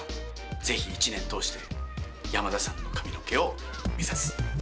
ぜひ、１年通して、山田さんの髪の毛を目指す。